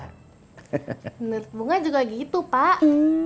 menurut bunga juga gitu pak